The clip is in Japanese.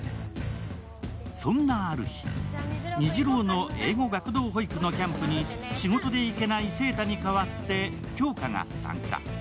そんなある日、虹朗の英語学童保育のキャンプに仕事で行けない晴太に代わって杏花が参加。